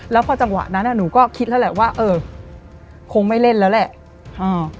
แล้วพอจังหวะนั้นอ่ะหนูก็คิดแล้วแหละว่าเออคงไม่เล่นแล้วแหละอ่า